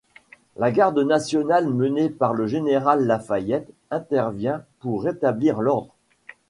La Garde nationale, menée par le général La Fayette, intervient pour rétablir l'ordre.